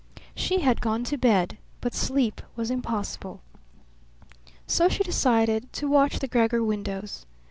She had gone to bed, but sleep was impossible. So she decided to watch the Gregor windows.